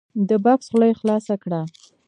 د بکس خوله یې خلاصه کړه !